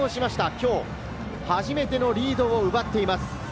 きょう初めてのリードを奪っています。